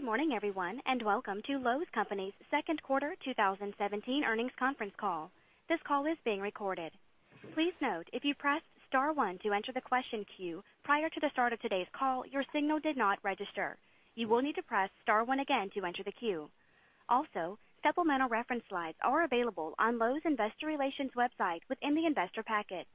Good morning, everyone, and welcome to Lowe's Companies Second Quarter 2017 Earnings Conference Call. This call is being recorded. Please note, if you pressed star one to enter the question queue prior to the start of today's call, your signal did not register. You will need to press star one again to enter the queue. Also, supplemental reference slides are available on lowes.com Investor Relations website within the investor packet.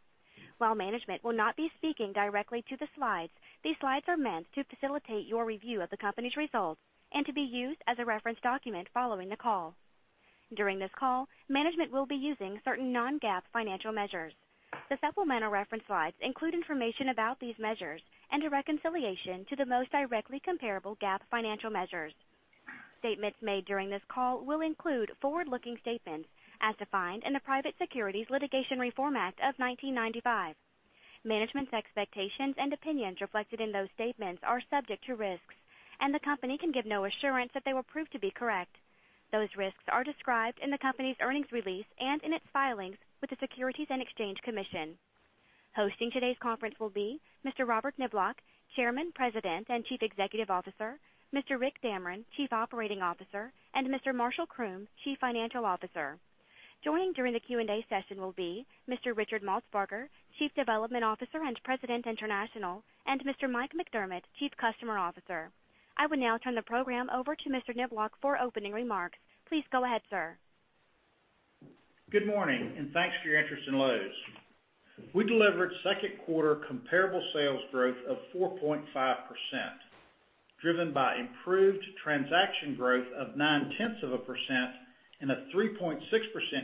While management will not be speaking directly to the slides, these slides are meant to facilitate your review of the company's results and to be used as a reference document following the call. During this call, management will be using certain non-GAAP financial measures. The supplemental reference slides include information about these measures and a reconciliation to the most directly comparable GAAP financial measures. Statements made during this call will include forward-looking statements as defined in the Private Securities Litigation Reform Act of 1995. Management's expectations and opinions reflected in those statements are subject to risks, and the company can give no assurance that they will prove to be correct. Those risks are described in the company's earnings release and in its filings with the Securities and Exchange Commission. Hosting today's conference will be Mr. Robert Niblock, Chairman, President, and Chief Executive Officer, Mr. Rick Damron, Chief Operating Officer, and Mr. Marshall Croom, Chief Financial Officer. Joining during the Q&A session will be Mr. Richard Maltsbarger, Chief Development Officer and President, International, and Mr. Mike McDermott, Chief Customer Officer. I will now turn the program over to Mr. Niblock for opening remarks. Please go ahead, sir. Good morning, and thanks for your interest in Lowe's. We delivered second quarter comparable sales growth of 4.5%, driven by improved transaction growth of 9/10 of a percent and a 3.6%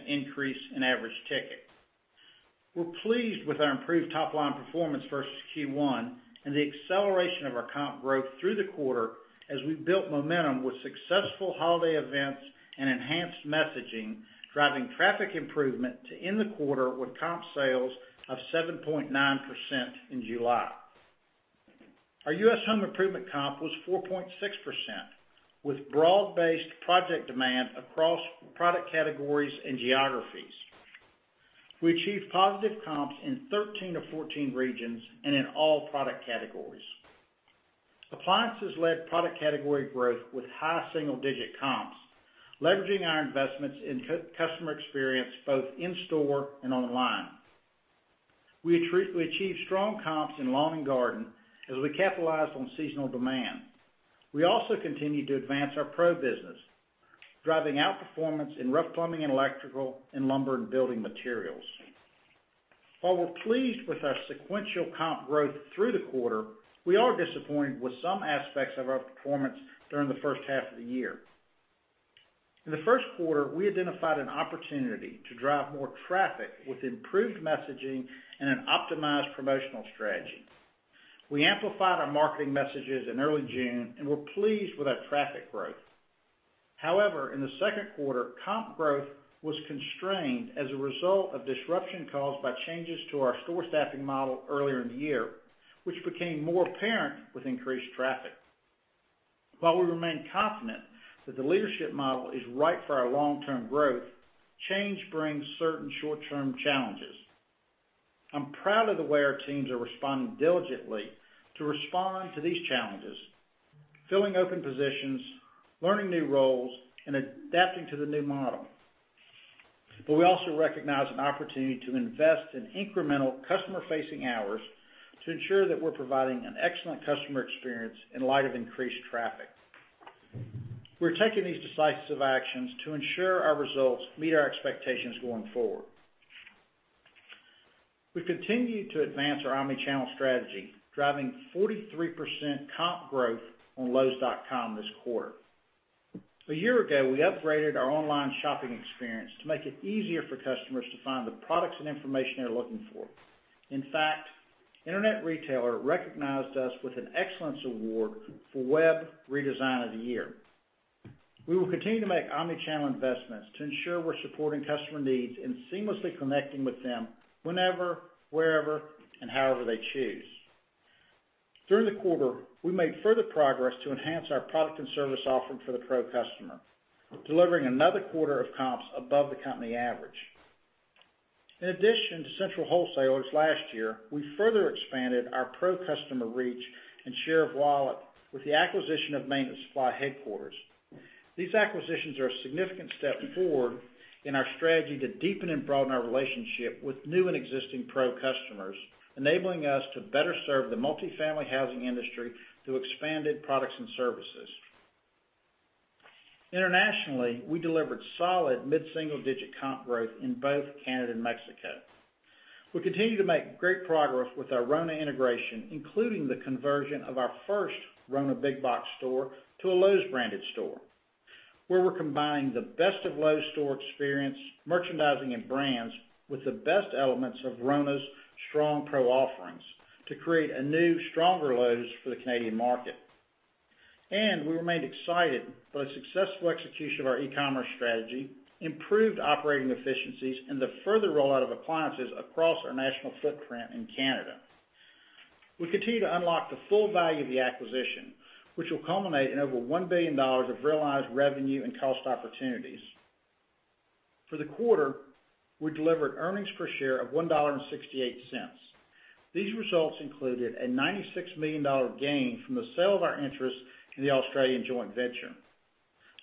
increase in average ticket. We are pleased with our improved top-line performance versus Q1 and the acceleration of our comp growth through the quarter as we built momentum with successful holiday events and enhanced messaging, driving traffic improvement to end the quarter with comp sales of 7.9% in July. Our U.S. home improvement comp was 4.6%, with broad-based project demand across product categories and geographies. We achieved positive comps in 13 of 14 regions and in all product categories. Appliances led product category growth with high single-digit comps, leveraging our investments in customer experience both in-store and online. We achieved strong comps in lawn and garden as we capitalized on seasonal demand. We also continued to advance our pro business, driving outperformance in rough plumbing and electrical and lumber and building materials. While we are pleased with our sequential comp growth through the quarter, we are disappointed with some aspects of our performance during the first half of the year. In the first quarter, we identified an opportunity to drive more traffic with improved messaging and an optimized promotional strategy. We amplified our marketing messages in early June, and we are pleased with our traffic growth. However, in the second quarter, comp growth was constrained as a result of disruption caused by changes to our store staffing model earlier in the year, which became more apparent with increased traffic. While we remain confident that the leadership model is right for our long-term growth, change brings certain short-term challenges. I'm proud of the way our teams are responding diligently to respond to these challenges, filling open positions, learning new roles, and adapting to the new model. We also recognize an opportunity to invest in incremental customer-facing hours to ensure that we're providing an excellent customer experience in light of increased traffic. We're taking these decisive actions to ensure our results meet our expectations going forward. We've continued to advance our omni-channel strategy, driving 43% comp growth on lowes.com this quarter. A year ago, we upgraded our online shopping experience to make it easier for customers to find the products and information they're looking for. In fact, Internet Retailer recognized us with an Excellence Award for Web Redesign of the Year. We will continue to make omni-channel investments to ensure we're supporting customer needs and seamlessly connecting with them whenever, wherever, and however they choose. During the quarter, we made further progress to enhance our product and service offering for the pro customer, delivering another quarter of comps above the company average. In addition to Central Wholesalers last year, we further expanded our pro customer reach and share of wallet with the acquisition of Maintenance Supply Headquarters. These acquisitions are a significant step forward in our strategy to deepen and broaden our relationship with new and existing pro customers, enabling us to better serve the multifamily housing industry through expanded products and services. Internationally, we delivered solid mid-single-digit comp growth in both Canada and Mexico. We continue to make great progress with our Rona integration, including the conversion of our first Rona big box store to a Lowe's-branded store, where we're combining the best of Lowe's store experience, merchandising, and brands with the best elements of Rona's strong pro offerings to create a new, stronger Lowe's for the Canadian market. We remained excited by the successful execution of our e-commerce strategy, improved operating efficiencies, and the further rollout of appliances across our national footprint in Canada. We continue to unlock the full value of the acquisition, which will culminate in over $1 billion of realized revenue and cost opportunities. For the quarter, we delivered earnings per share of $1.68. These results included a $96 million gain from the sale of our interest in the Australian joint venture.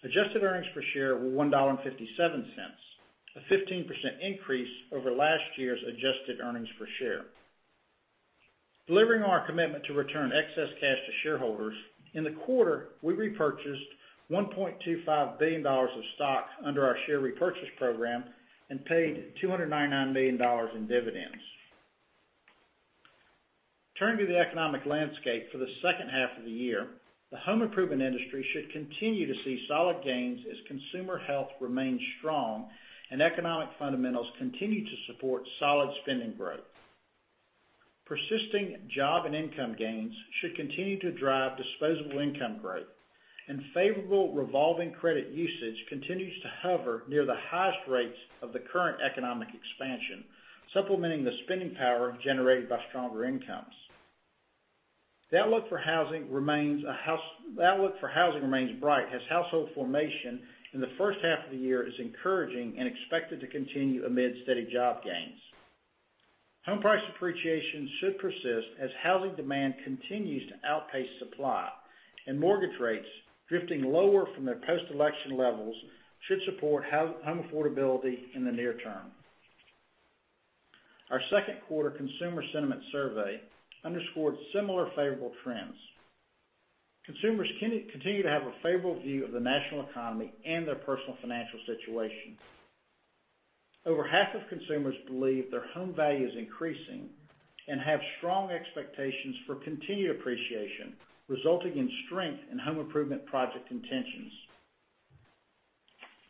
Adjusted earnings per share were $1.57, a 15% increase over last year's adjusted earnings per share. Delivering on our commitment to return excess cash to shareholders, in the quarter, we repurchased $1.25 billion of stock under our share repurchase program and paid $299 million in dividends. Turning to the economic landscape for the second half of the year, the home improvement industry should continue to see solid gains as consumer health remains strong and economic fundamentals continue to support solid spending growth. Persisting job and income gains should continue to drive disposable income growth, and favorable revolving credit usage continues to hover near the highest rates of the current economic expansion, supplementing the spending power generated by stronger incomes. The outlook for housing remains bright, as household formation in the first half of the year is encouraging and expected to continue amid steady job gains. Home price appreciation should persist as housing demand continues to outpace supply, and mortgage rates drifting lower from their post-election levels should support home affordability in the near term. Our second quarter consumer sentiment survey underscored similar favorable trends. Consumers continue to have a favorable view of the national economy and their personal financial situation. Over half of consumers believe their home value is increasing and have strong expectations for continued appreciation, resulting in strength in home improvement project intentions.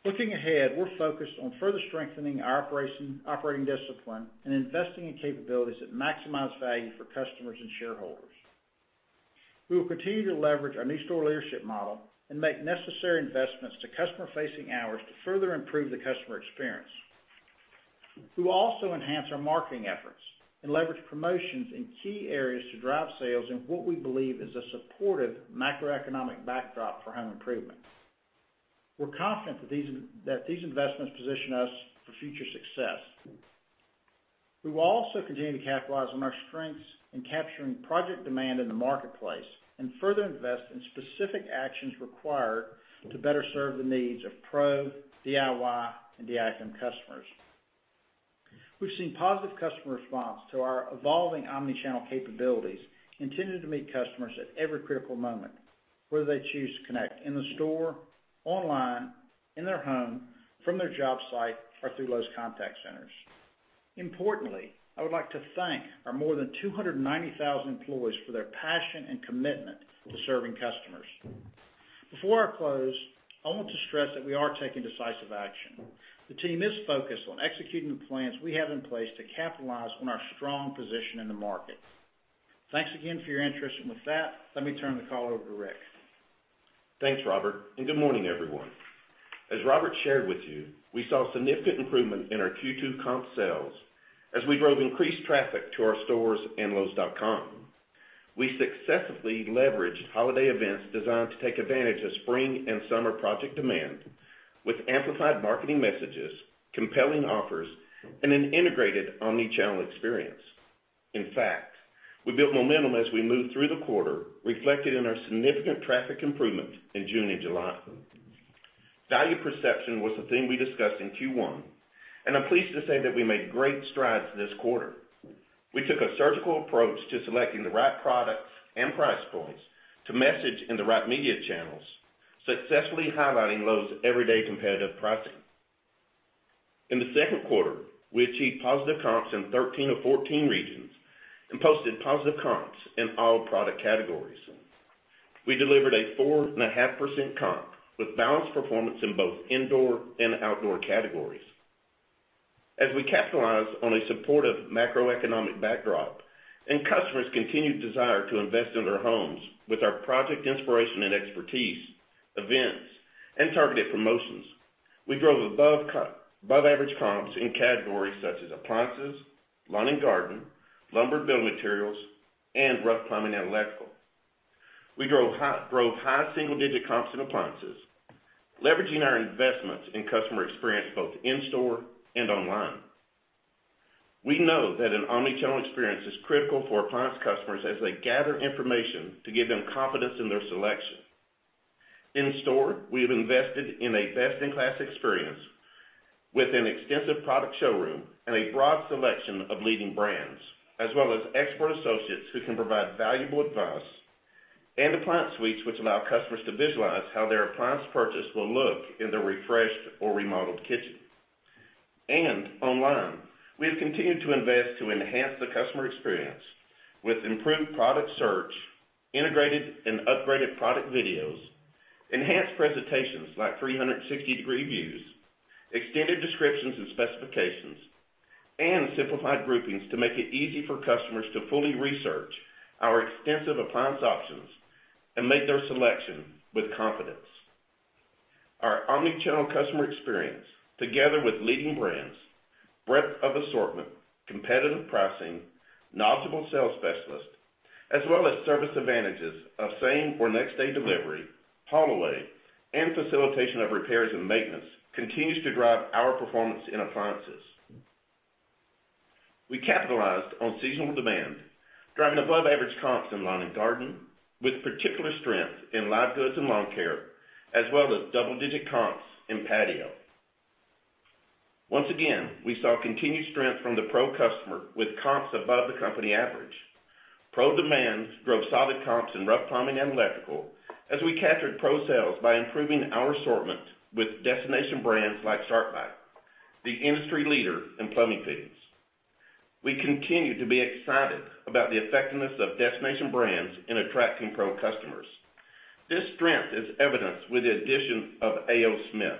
Looking ahead, we're focused on further strengthening our operating discipline and investing in capabilities that maximize value for customers and shareholders. We will continue to leverage our new store leadership model and make necessary investments to customer-facing hours to further improve the customer experience. We will also enhance our marketing efforts and leverage promotions in key areas to drive sales in what we believe is a supportive macroeconomic backdrop for home improvement. We're confident that these investments position us for future success. We will also continue to capitalize on our strengths in capturing project demand in the marketplace and further invest in specific actions required to better serve the needs of pro and DIY customers. We've seen positive customer response to our evolving omni-channel capabilities intended to meet customers at every critical moment, whether they choose to connect in the store, online, in their home, from their job site, or through Lowe's contact centers. Importantly, I would like to thank our more than 290,000 employees for their passion and commitment to serving customers. Before I close, I want to stress that we are taking decisive action. The team is focused on executing the plans we have in place to capitalize on our strong position in the market. Thanks again for your interest. With that, let me turn the call over to Rick. Thanks, Robert. Good morning, everyone. As Robert shared with you, we saw significant improvement in our Q2 comp sales as we drove increased traffic to our stores and lowes.com. We successfully leveraged holiday events designed to take advantage of spring and summer project demand with amplified marketing messages, compelling offers, and an integrated omni-channel experience. In fact, we built momentum as we moved through the quarter, reflected in our significant traffic improvement in June and July. Value perception was a thing we discussed in Q1, and I'm pleased to say that we made great strides this quarter. We took a surgical approach to selecting the right products and price points to message in the right media channels, successfully highlighting Lowe's everyday competitive pricing. In the second quarter, we achieved positive comps in 13 of 14 regions and posted positive comps in all product categories. We delivered a 4.5% comp with balanced performance in both indoor and outdoor categories. As we capitalize on a supportive macroeconomic backdrop and customers' continued desire to invest in their homes with our project inspiration and expertise, events, and targeted promotions, we drove above-average comps in categories such as appliances, lawn and garden, lumber, building materials, and rough plumbing and electrical. We drove high single-digit comps in appliances, leveraging our investments in customer experience both in-store and online. We know that an omni-channel experience is critical for appliance customers as they gather information to give them confidence in their selection. In store, we have invested in a best-in-class experience with an extensive product showroom and a broad selection of leading brands, as well as expert associates who can provide valuable advice, and appliance suites which allow customers to visualize how their appliance purchase will look in the refreshed or remodeled kitchen. Online, we have continued to invest to enhance the customer experience with improved product search, integrated and upgraded product videos, enhanced presentations like 360-degree views, extended descriptions and specifications, and simplified groupings to make it easy for customers to fully research our extensive appliance options and make their selection with confidence. Our omni-channel customer experience, together with leading brands breadth of assortment, competitive pricing, knowledgeable sales specialists, as well as service advantages of same or next-day delivery, haul away, and facilitation of repairs and maintenance continues to drive our performance in appliances. We capitalized on seasonal demand, driving above-average comps in lawn and garden, with particular strength in live goods and lawn care, as well as double-digit comps in patio. Once again, we saw continued strength from the pro customer with comps above the company average. Pro demand drove solid comps in rough plumbing and electrical as we captured pro sales by improving our assortment with destination brands like SharkBite, the industry leader in plumbing fittings. We continue to be excited about the effectiveness of destination brands in attracting pro customers. This strength is evidenced with the addition of A. O. Smith,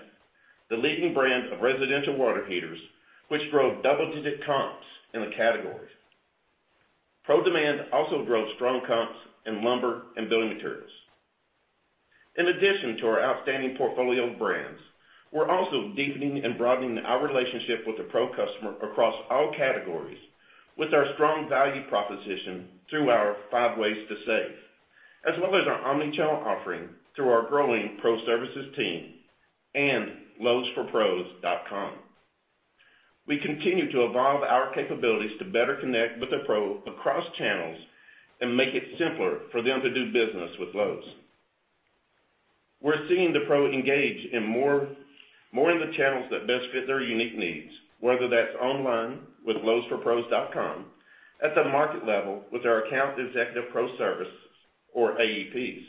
the leading brand of residential water heaters, which drove double-digit comps in the category. Pro demand also drove strong comps in lumber and building materials. In addition to our outstanding portfolio of brands, we're also deepening and broadening our relationship with the pro customer across all categories with our strong value proposition through our five ways to save, as well as our omni-channel offering through our growing pro services team and lowesforpros.com. We continue to evolve our capabilities to better connect with the pro across channels and make it simpler for them to do business with Lowe's. We're seeing the pro engage more in the channels that best fit their unique needs, whether that's online with lowesforpros.com, at the market level with our Account Executive Pro Services or AEPs,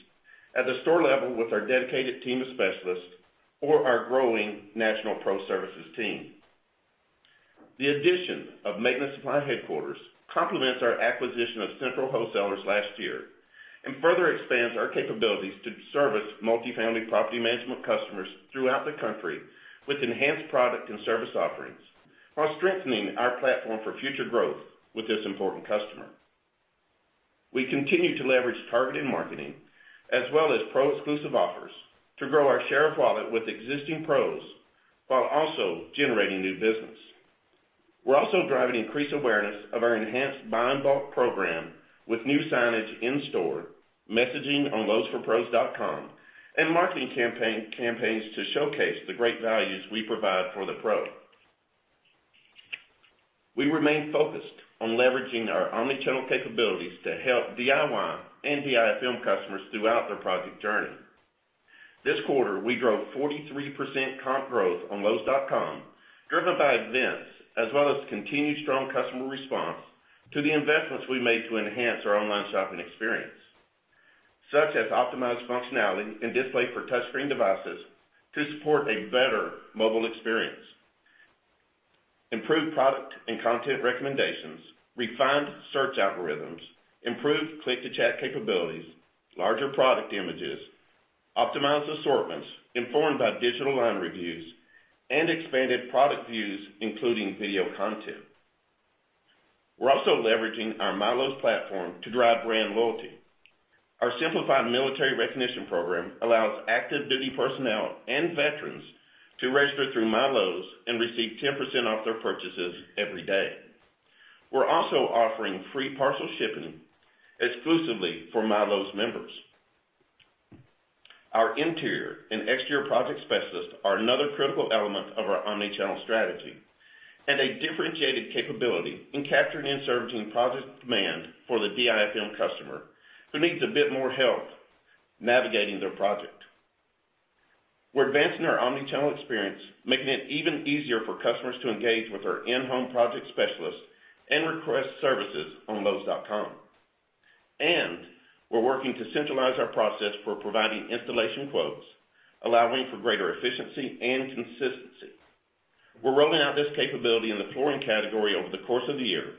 at the store level with our dedicated team of specialists, or our growing national pro services team. The addition of Maintenance Supply Headquarters complements our acquisition of Central Wholesalers last year and further expands our capabilities to service multifamily property management customers throughout the country with enhanced product and service offerings while strengthening our platform for future growth with this important customer. We continue to leverage targeted marketing as well as pro exclusive offers to grow our share of wallet with existing pros while also generating new business. We're also driving increased awareness of our enhanced buy in bulk program with new signage in store, messaging on lowesforpros.com, and marketing campaigns to showcase the great values we provide for the pro. We remain focused on leveraging our omnichannel capabilities to help DIY and DIFM customers throughout their project journey. This quarter, we drove 43% comp growth on lowes.com, driven by events as well as continued strong customer response to the investments we made to enhance our online shopping experience, such as optimized functionality and display for touch screen devices to support a better mobile experience, improved product and content recommendations, refined search algorithms, improved click-to-chat capabilities, larger product images, optimized assortments informed by digital online reviews, and expanded product views, including video content. We're also leveraging our MyLowe's platform to drive brand loyalty. Our simplified military recognition program allows active duty personnel and veterans to register through MyLowe's and receive 10% off their purchases every day. We're also offering free parcel shipping exclusively for MyLowe's members. Our interior and exterior project specialists are another critical element of our omnichannel strategy and a differentiated capability in capturing and servicing project demand for the DIFM customer who needs a bit more help navigating their project. We're advancing our omnichannel experience, making it even easier for customers to engage with our in-home project specialists and request services on lowes.com. We're working to centralize our process for providing installation quotes, allowing for greater efficiency and consistency. We're rolling out this capability in the flooring category over the course of the year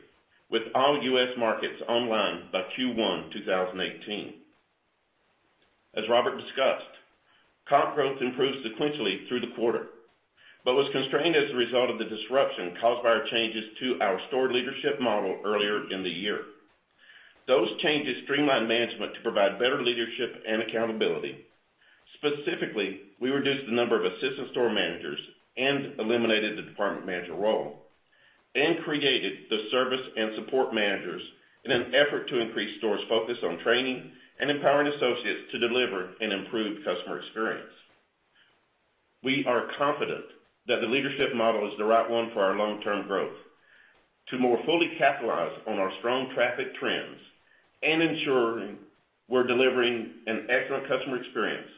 with all U.S. markets online by Q1 2018. As Robert discussed, comp growth improved sequentially through the quarter but was constrained as a result of the disruption caused by our changes to our store leadership model earlier in the year. Those changes streamlined management to provide better leadership and accountability. Specifically, we reduced the number of assistant store managers and eliminated the department manager role and created the service and support managers in an effort to increase stores' focus on training and empowering associates to deliver an improved customer experience. We are confident that the leadership model is the right one for our long-term growth. To more fully capitalize on our strong traffic trends and ensure we're delivering an excellent customer experience,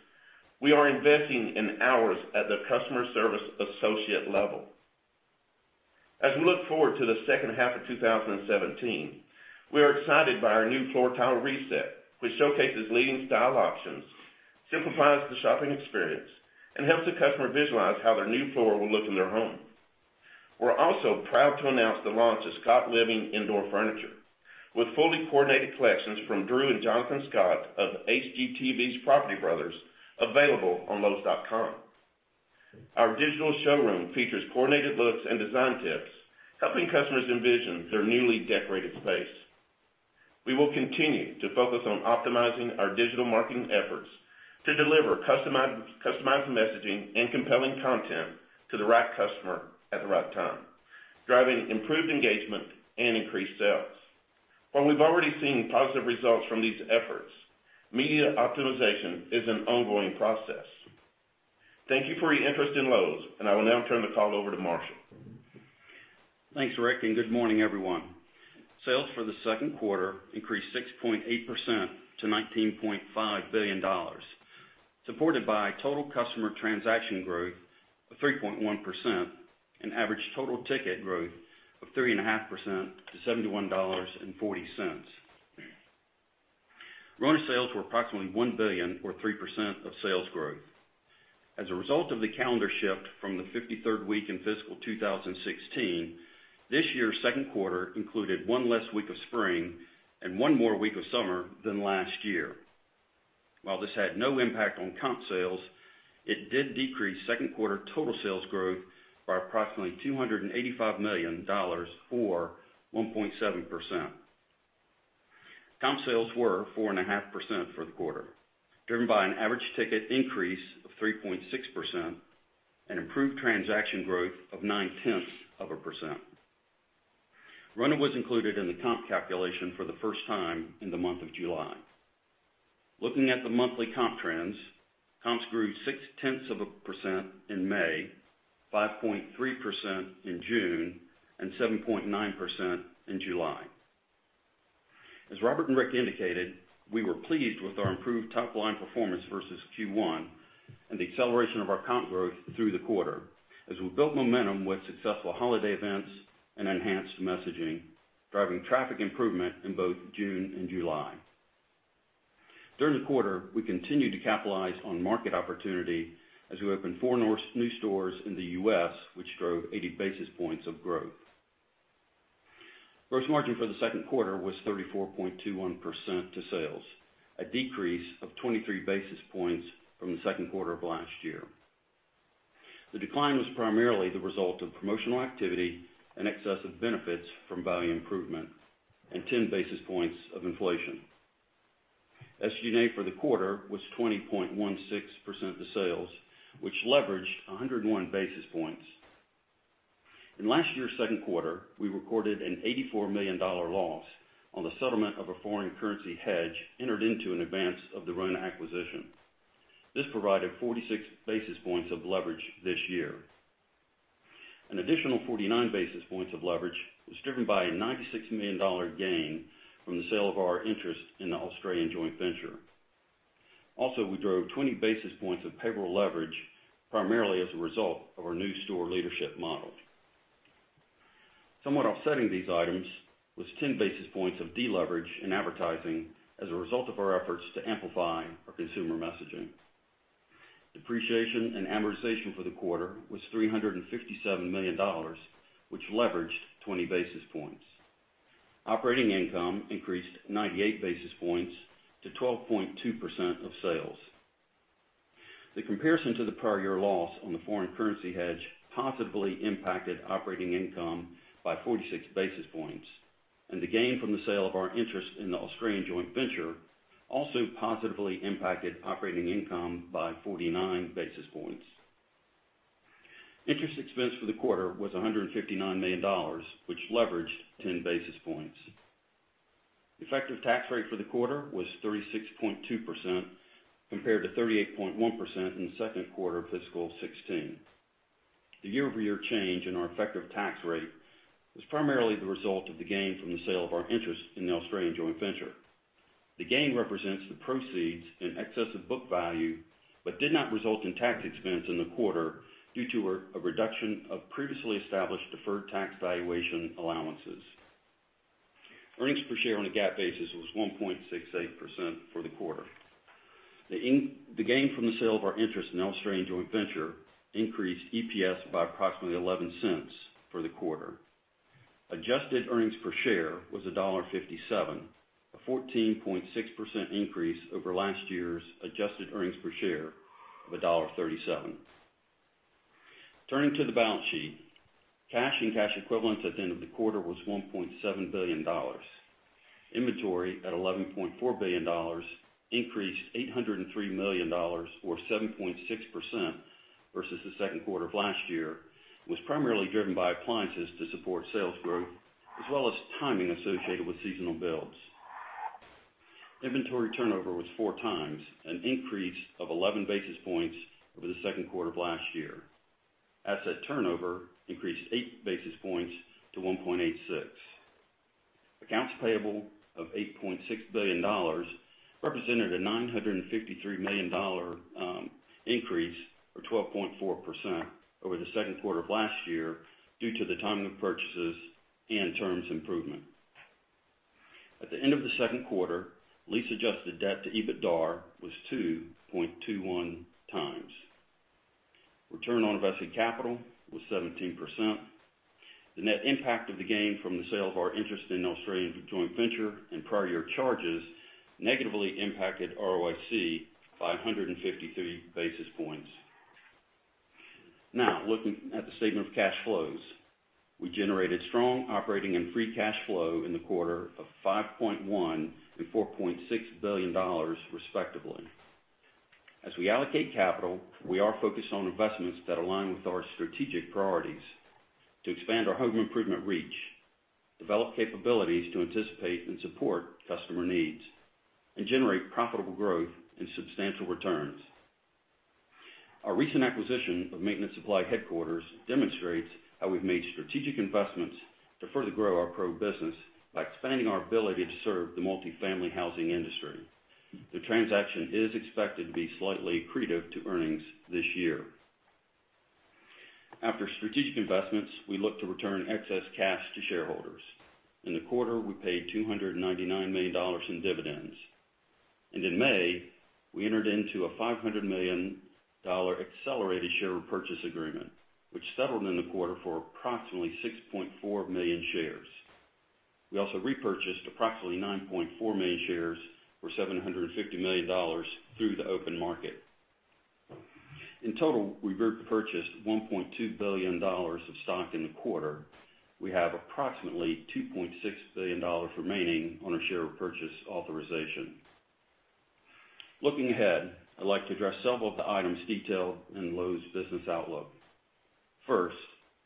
we are investing in hours at the customer service associate level. As we look forward to the second half of 2017, we are excited by our new floor tile reset, which showcases leading style options, simplifies the shopping experience, and helps the customer visualize how their new floor will look in their home. We're also proud to announce the launch of Scott Living indoor furniture with fully coordinated collections from Drew and Jonathan Scott of HGTV's Property Brothers available on lowes.com. Our digital showroom features coordinated looks and design tips, helping customers envision their newly decorated space. We will continue to focus on optimizing our digital marketing efforts to deliver customized messaging and compelling content to the right customer at the right time, driving improved engagement and increased sales. While we've already seen positive results from these efforts, media optimization is an ongoing process. Thank you for your interest in Lowe's, and I will now turn the call over to Marshall. Thanks, Rick, and good morning, everyone. Sales for the second quarter increased 6.8% to $19.5 billion, supported by total customer transaction growth of 3.1% and average total ticket growth of 3.5% to $71.40. Rona sales were approximately $1 billion or 3% of sales growth. As a result of the calendar shift from the 53rd week in fiscal 2016, this year's second quarter included one less week of spring and one more week of summer than last year. While this had no impact on comp sales, it did decrease second quarter total sales growth by approximately $285 million, or 1.7%. Comp sales were 4.5% for the quarter, driven by an average ticket increase of 3.6% and improved transaction growth of 9 tenths of a percent. Rona was included in the comp calculation for the first time in the month of July. Looking at the monthly comp trends, comps grew 6 tenths of a percent in May, 5.3% in June, and 7.9% in July. As Robert and Rick indicated, we were pleased with our improved top-line performance versus Q1, and the acceleration of our comp growth through the quarter as we built momentum with successful holiday events and enhanced messaging, driving traffic improvement in both June and July. During the quarter, we continued to capitalize on market opportunity as we opened four new stores in the U.S., which drove 80 basis points of growth. Gross margin for the second quarter was 34.21% to sales, a decrease of 23 basis points from the second quarter of last year. The decline was primarily the result of promotional activity in excess of benefits from volume improvement and 10 basis points of inflation. SG&A for the quarter was 20.16% of sales, which leveraged 101 basis points. In last year's second quarter, we recorded an $84 million loss on the settlement of a foreign currency hedge entered into in advance of the Rona acquisition. This provided 46 basis points of leverage this year. An additional 49 basis points of leverage was driven by a $96 million gain from the sale of our interest in the Australian joint venture. Also, we drove 20 basis points of payroll leverage, primarily as a result of our new store leadership model. Somewhat offsetting these items was 10 basis points of deleverage in advertising as a result of our efforts to amplify our consumer messaging. Depreciation and amortization for the quarter was $357 million, which leveraged 20 basis points. Operating income increased 98 basis points to 12.2% of sales. The comparison to the prior year loss on the foreign currency hedge positively impacted operating income by 46 basis points. The gain from the sale of our interest in the Australian joint venture also positively impacted operating income by 49 basis points. Interest expense for the quarter was $159 million, which leveraged 10 basis points. Effective tax rate for the quarter was 36.2%, compared to 38.1% in the second quarter of fiscal 2016. The year-over-year change in our effective tax rate was primarily the result of the gain from the sale of our interest in the Australian joint venture. The gain represents the proceeds in excess of book value but did not result in tax expense in the quarter due to a reduction of previously established deferred tax valuation allowances. Earnings per share on a GAAP basis was $1.68 for the quarter. The gain from the sale of our interest in the Australian joint venture increased EPS by approximately $0.11 for the quarter. Adjusted earnings per share was $1.57, a 14.6% increase over last year's adjusted earnings per share of $1.37. Turning to the balance sheet, cash and cash equivalents at the end of the quarter was $1.7 billion. Inventory at $11.4 billion, increased $803 million or 7.6% versus the second quarter of last year was primarily driven by appliances to support sales growth, as well as timing associated with seasonal builds. Inventory turnover was four times, an increase of 11 basis points over the second quarter of last year. Asset turnover increased eight basis points to 1.86. Accounts payable of $8.6 billion represented a $953 million increase or 12.4% over the second quarter of last year due to the timing of purchases and terms improvement. At the end of the second quarter, lease-adjusted debt to EBITDA was 2.21 times. Return on invested capital was 17%. The net impact of the gain from the sale of our interest in the Australian joint venture and prior year charges negatively impacted ROIC by 153 basis points. Looking at the statement of cash flows. We generated strong operating and free cash flow in the quarter of $5.1 billion and $4.6 billion respectively. As we allocate capital, we are focused on investments that align with our strategic priorities to expand our home improvement reach, develop capabilities to anticipate and support customer needs, and generate profitable growth and substantial returns. Our recent acquisition of Maintenance Supply Headquarters demonstrates how we've made strategic investments to further grow our pro business by expanding our ability to serve the multifamily housing industry. The transaction is expected to be slightly accretive to earnings this year. After strategic investments, we look to return excess cash to shareholders. In the quarter, we paid $299 million in dividends. In May, we entered into a $500 million accelerated share repurchase agreement, which settled in the quarter for approximately 6.4 million shares. We also repurchased approximately 9.4 million shares for $750 million through the open market. In total, we repurchased $1.2 billion of stock in the quarter. We have approximately $2.6 billion remaining on our share repurchase authorization. Looking ahead, I'd like to address several of the items detailed in Lowe's business outlook. First,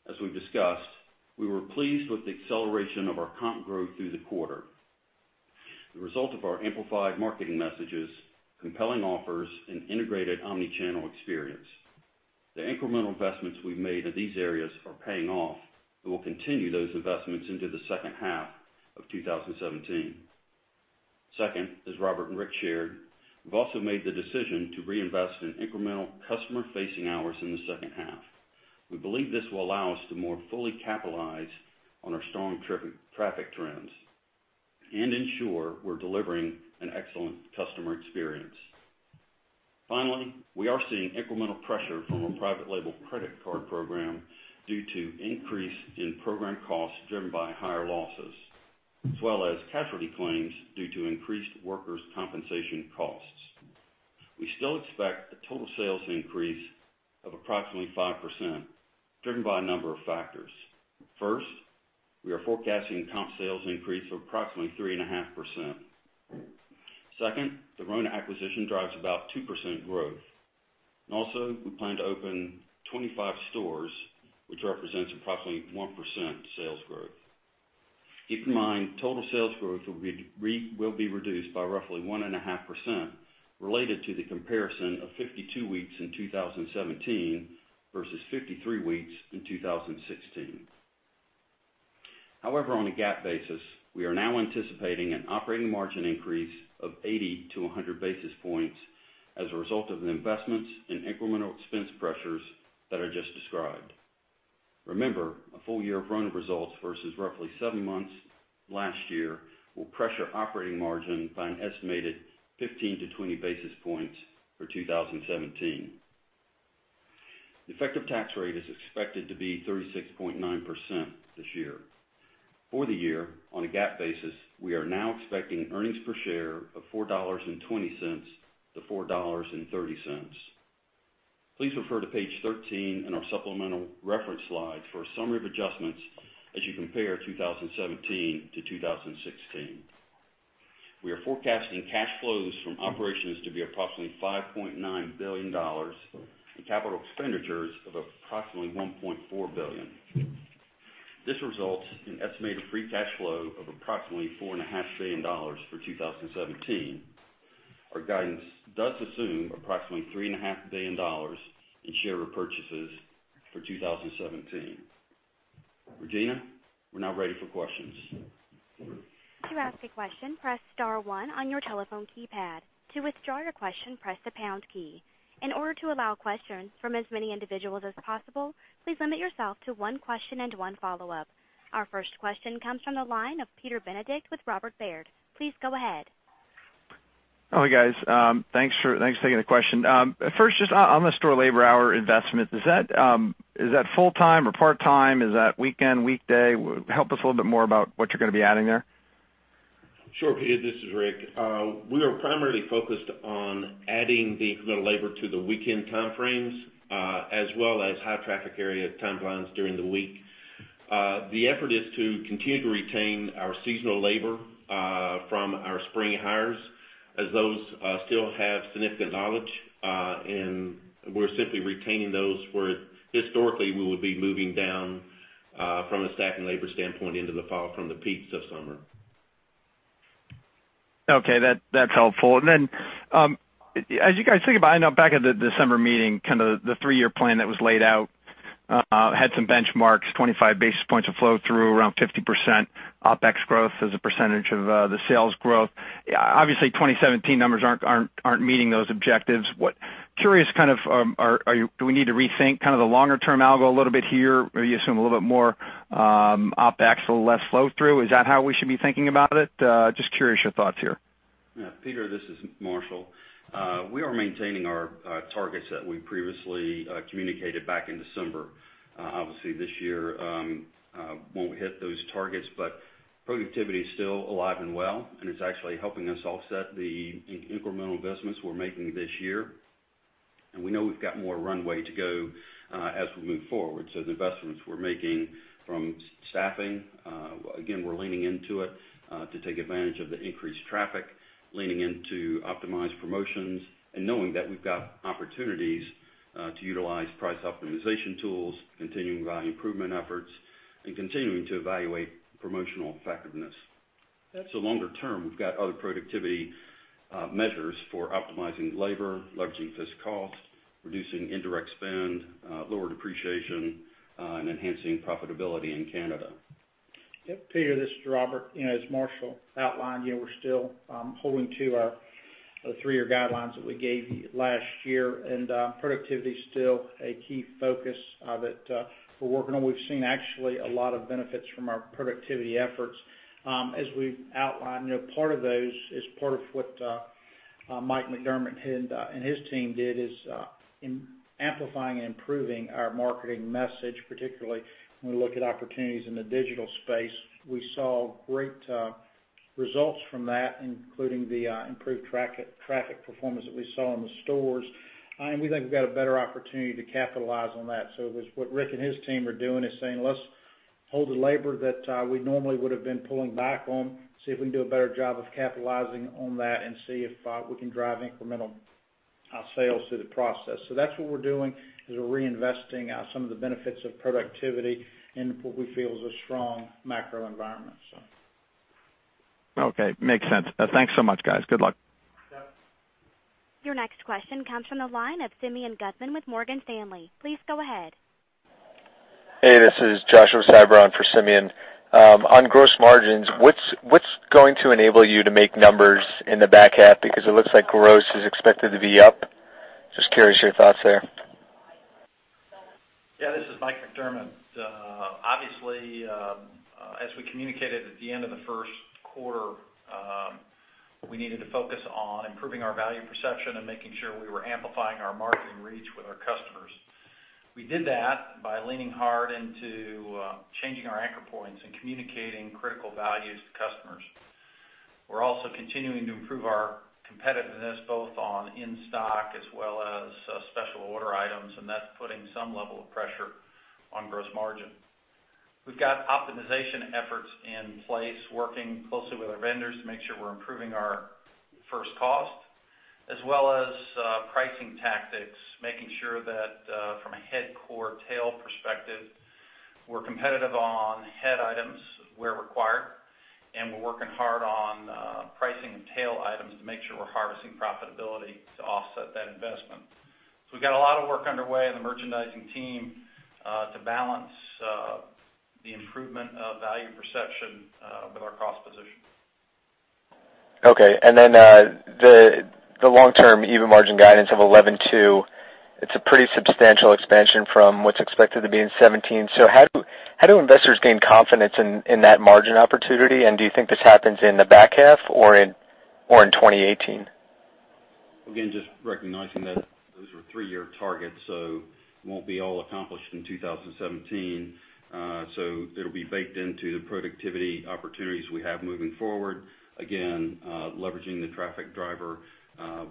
as we've discussed, we were pleased with the acceleration of our comp growth through the quarter. The result of our amplified marketing messages, compelling offers, and integrated omni-channel experience. The incremental investments we've made in these areas are paying off, and we'll continue those investments into the second half of 2017. Second, as Robert and Rick shared, we've also made the decision to reinvest in incremental customer-facing hours in the second half. We believe this will allow us to more fully capitalize on our strong traffic trends and ensure we're delivering an excellent customer experience. Finally, we are seeing incremental pressure from our private label credit card program due to increase in program costs driven by higher losses, as well as casualty claims due to increased workers' compensation costs. We still expect a total sales increase of approximately 5%, driven by a number of factors. First, we are forecasting comp sales increase of approximately 3.5%. Second, the Rona acquisition drives about 2% growth. Also, we plan to open 25 stores, which represents approximately 1% sales growth. Keep in mind, total sales growth will be reduced by roughly 1.5% related to the comparison of 52 weeks in 2017 versus 53 weeks in 2016. However, on a GAAP basis, we are now anticipating an operating margin increase of 80 to 100 basis points as a result of the investments in incremental expense pressures that I just described. Remember, a full year of Rona results versus roughly seven months last year will pressure operating margin by an estimated 15 to 20 basis points for 2017. The effective tax rate is expected to be 36.9% this year. For the year, on a GAAP basis, we are now expecting earnings per share of $4.20-$4.30. Please refer to page 13 in our supplemental reference slide for a summary of adjustments as you compare 2017 to 2016. We are forecasting cash flows from operations to be approximately $5.9 billion, and capital expenditures of approximately $1.4 billion. This results in estimated free cash flow of approximately $4.5 billion for 2017. Our guidance does assume approximately $3.5 billion in share repurchases for 2017. Regina, we're now ready for questions. To ask a question, press star one on your telephone keypad. To withdraw your question, press the pound key. In order to allow questions from as many individuals as possible, please limit yourself to one question and one follow-up. Our first question comes from the line of Peter Benedict with Robert W. Baird. Please go ahead. Hi, guys. Thanks for taking the question. On the store labor hour investment, is that full-time or part-time? Is that weekend, weekday? Help us a little bit more about what you're going to be adding there. Sure, Peter. This is Rick. We are primarily focused on adding the incremental labor to the weekend time frames, as well as high traffic area timelines during the week. The effort is to continue to retain our seasonal labor from our spring hires, as those still have significant knowledge. We're simply retaining those where historically we would be moving down from a staffing labor standpoint into the fall from the peaks of summer. Okay. That's helpful. As you guys think about, I know back at the December meeting, the three-year plan that was laid out had some benchmarks, 25 basis points of flow through, around 50% OpEx growth as a percentage of the sales growth. Obviously, 2017 numbers aren't meeting those objectives. Curious, do we need to rethink the longer-term algo a little bit here? Maybe assume a little bit more OpEx, a little less flow through. Is that how we should be thinking about it? Just curious your thoughts here. Yeah. Peter, this is Marshall. We are maintaining our targets that we previously communicated back in December. Obviously, this year won't hit those targets. Productivity is still alive and well, and it's actually helping us offset the incremental investments we're making this year. We know we've got more runway to go as we move forward. The investments we're making from staffing, again, we're leaning into it to take advantage of the increased traffic, leaning into optimized promotions, and knowing that we've got opportunities to utilize price optimization tools, continuing value improvement efforts, and continuing to evaluate promotional effectiveness. Longer term, we've got other productivity measures for optimizing labor, leveraging physical cost, reducing indirect spend, lower depreciation, and enhancing profitability in Canada. Yep. Peter, this is Robert. As Marshall Croom outlined, we're still holding to our three-year guidelines that we gave you last year, and productivity's still a key focus that we're working on. We've seen actually a lot of benefits from our productivity efforts. As we've outlined, part of those is part of what Michael McDermott and his team did is in amplifying and improving our marketing message, particularly when we look at opportunities in the digital space. We saw great results from that, including the improved traffic performance that we saw in the stores. We think we've got a better opportunity to capitalize on that. It was what Rick Damron and his team are doing is saying, "Let's hold the labor that we normally would've been pulling back on, see if we can do a better job of capitalizing on that, and see if we can drive incremental sales through the process." That's what we're doing, is we're reinvesting some of the benefits of productivity into what we feel is a strong macro environment. Okay. Makes sense. Thanks so much, guys. Good luck. Yep. Your next question comes from the line of Simeon Gutman with Morgan Stanley. Please go ahead. This is Joshua Gutman for Simeon. On gross margins, what's going to enable you to make numbers in the back half? It looks like gross is expected to be up. Just curious your thoughts there. This is Michael McDermott. Obviously, as we communicated at the end of the first quarter, we needed to focus on improving our value perception and making sure we were amplifying our marketing reach with our customers. We did that by leaning hard into changing our anchor points and communicating critical values to customers. We're also continuing to improve our competitiveness, both on in-stock as well as special order items, and that's putting some level of pressure on gross margin. We've got optimization efforts in place, working closely with our vendors to make sure we're improving our first cost as well as pricing tactics, making sure that from a head core tail perspective, we're competitive on head items where required, and we're working hard on pricing tail items to make sure we're harvesting profitability to offset that investment. We've got a lot of work underway in the merchandising team to balance the improvement of value perception with our cost position. The long-term EBIT margin guidance of 11.2%, it's a pretty substantial expansion from what's expected to be in 2017. How do investors gain confidence in that margin opportunity? Do you think this happens in the back half or in 2018? Just recognizing that those are three-year targets, it won't be all accomplished in 2017. It'll be baked into the productivity opportunities we have moving forward. Leveraging the traffic driver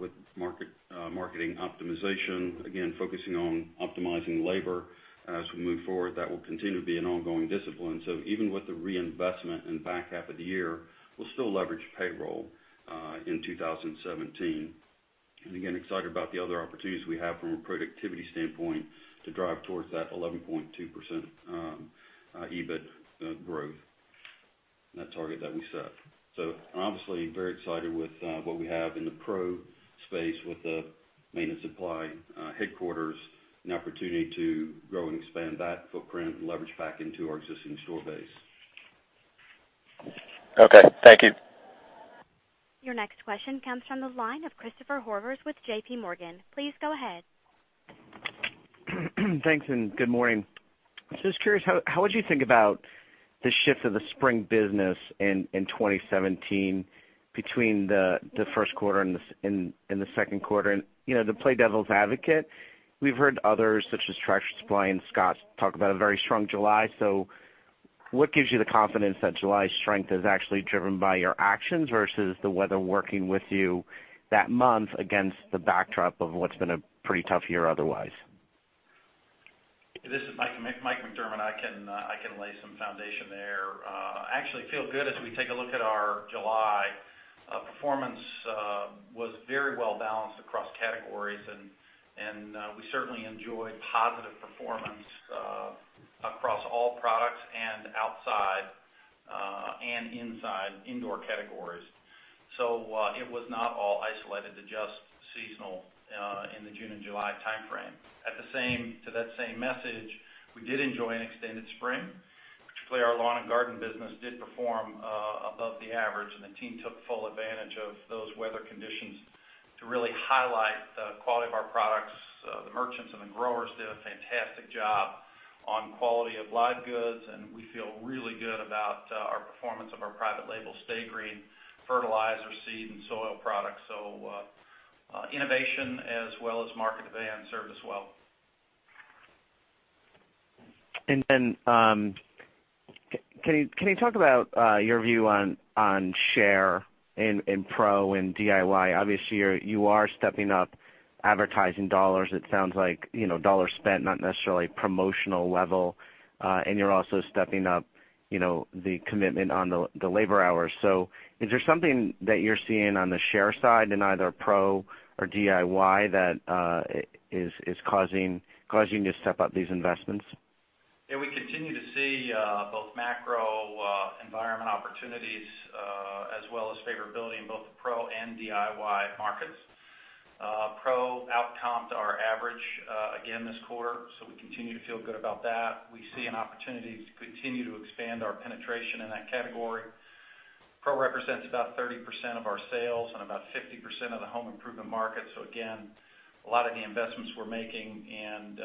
with marketing optimization. Focusing on optimizing labor as we move forward. That will continue to be an ongoing discipline. Even with the reinvestment in back half of the year, we'll still leverage payroll in 2017. Excited about the other opportunities we have from a productivity standpoint to drive towards that 11.2% EBIT growth, that target that we set. Obviously very excited with what we have in the pro space with the Maintenance Supply Headquarters, an opportunity to grow and expand that footprint and leverage back into our existing store base. Okay. Thank you. Your next question comes from the line of Christopher Horvers with J.P. Morgan. Please go ahead. Thanks and good morning. Just curious, how would you think about the shift of the spring business in 2017 between the first quarter and the second quarter? To play devil's advocate, we've heard others such as Tractor Supply and Scotts talk about a very strong July. What gives you the confidence that July's strength is actually driven by your actions versus the weather working with you that month against the backdrop of what's been a pretty tough year otherwise? This is Mike McDermott. I can lay some foundation there. Actually feel good as we take a look at our July performance was very well-balanced across categories, we certainly enjoyed positive performance across all products and outside and inside indoor categories. It was not all isolated to just seasonal in the June and July timeframe. To that same message, we did enjoy an extended spring. Particularly our lawn and garden business did perform above the average, the team took full advantage of those weather conditions to really highlight the quality of our products. The merchants and the growers did a fantastic job on quality of live goods, we feel really good about our performance of our private label, Sta-Green fertilizer, seed, and soil products. Innovation as well as market demand served us well. Can you talk about your view on share in pro and DIY? Obviously, you are stepping up advertising dollars. It sounds like dollar spent, not necessarily promotional level. You're also stepping up the commitment on the labor hours. Is there something that you're seeing on the share side in either pro or DIY that is causing you to step up these investments? We continue to see both macro environment opportunities as well as favorability in both the pro and DIY markets. Pro outcomped our average again this quarter, we continue to feel good about that. We see an opportunity to continue to expand our penetration in that category. Pro represents about 30% of our sales and about 50% of the home improvement market. Again, a lot of the investments we're making and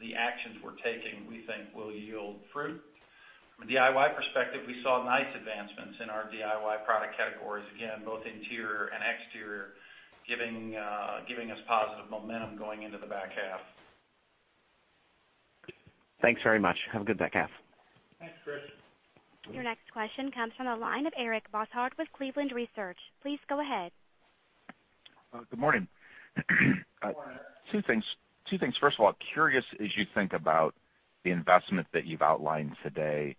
the actions we're taking, we think will yield fruit. From a DIY perspective, we saw nice advancements in our DIY product categories, again, both interior and exterior, giving us positive momentum going into the back half. Thanks very much. Have a good back half. Thanks, Christopher. Your next question comes from the line of Eric Bosshard with Cleveland Research. Please go ahead. Good morning. Good morning. Two things. First of all, curious as you think about the investment that you've outlined today,